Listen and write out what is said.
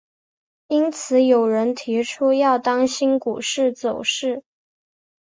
因此有人提出要当心股市走势。